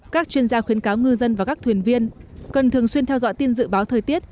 các chuyên gia khuyến cáo ngư dân và các thuyền viên cần thường xuyên theo dõi tin dự báo thời tiết